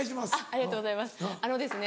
ありがとうございます。